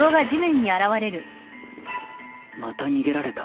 また逃げられた